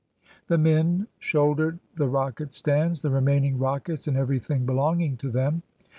The men shouldered the rocket stands, the remaining rockets, and everything belonging to them.